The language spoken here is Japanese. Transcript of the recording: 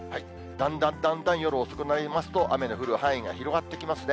だんだんだんだん夜遅くなりますと、雨の降る範囲が広がってきますね。